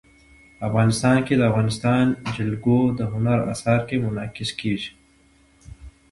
افغانستان کې د افغانستان جلکو د هنر په اثار کې منعکس کېږي.